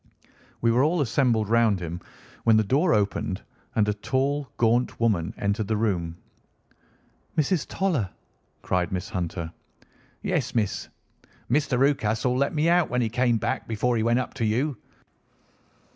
We were all assembled round him when the door opened, and a tall, gaunt woman entered the room. "Mrs. Toller!" cried Miss Hunter. "Yes, miss. Mr. Rucastle let me out when he came back before he went up to you.